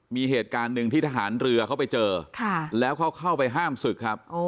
มีเหตุการณ์หนึ่งที่ทหารเรือเขาไปเจอแล้วเขาเข้าไปห้ามศึกครับ